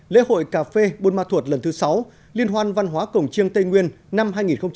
lễ hội cà phê buôn ma thuột lần thứ sáu liên hoan văn hóa cổng chiêng tây nguyên năm hai nghìn hai mươi